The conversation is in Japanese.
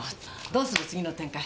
どうする次の展開